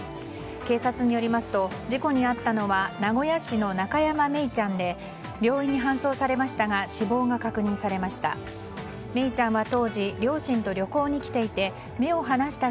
警察によりますと事故に遭ったのは名古屋市の中山愛李ちゃんで病院に搬送されましたが死亡が確認されました。